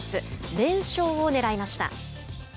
連勝をねらいました。